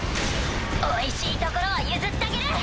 おいしいところは譲ったげる。